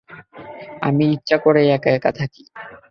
আমি ইচ্ছা করেই একা একা থাকি।